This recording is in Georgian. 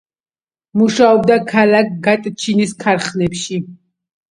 მუშაობდა ქალაქ გატჩინის ქარხნებში.